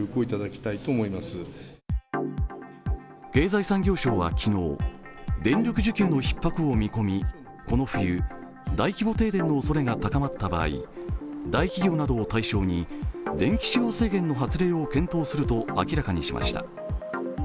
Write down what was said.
経済産業省は昨日、電力需給のひっ迫を見込み、この冬、大規模停電の恐れが高まった場合大企業などを対象に電気使用制限の発令を検討すると明らかにしました。